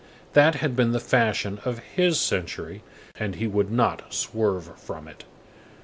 That had been the fashion of his century, and he would not swerve from it.